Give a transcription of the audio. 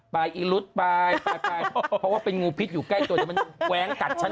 เพราะว่าเป็นงูพิษอยู่ใกล้ตัวแต่มันแว้งกัดฉัน